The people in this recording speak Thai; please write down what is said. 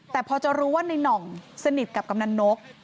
แต่พอจะรู้ว่าในน่องสนิทกับกำนันนก